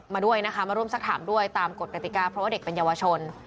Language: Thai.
มาด้วยนะคะมารั่มศักดิ์ถามด้วยตามกตปศาสตร์เพราะว่าเด็กเป็นเยาวชน